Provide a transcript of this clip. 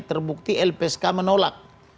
terbukti lpsk menolak